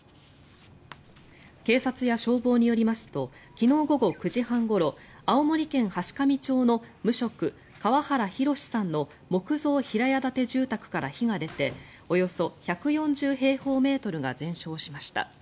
警察や消防によりますと昨日午後９時半ごろ青森県階上町の無職・河原博さんの木造平屋建て住宅から火が出ておよそ１４０平方メートルが全焼しました。